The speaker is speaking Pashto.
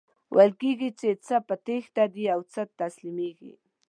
ویل کیږي چی څه په تیښته دي او څه تسلیمیږي.